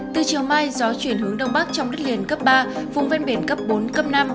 từ chiều mai gió chuyển hướng đông bắc trong đất liền cấp ba vùng ven biển cấp bốn cấp năm